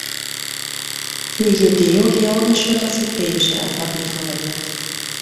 Für Judäo-Georgisch wird das hebräische Alphabet verwendet.